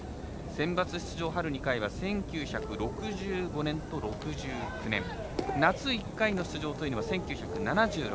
センバツ出場春２回は１９６５年と６９年夏１回の出場というのが１９７６年。